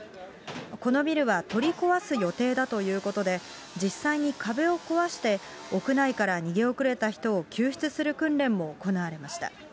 このビルは取り壊す予定だということで、実際に壁を壊して、屋内から逃げ遅れた人を救出する訓練も行われました。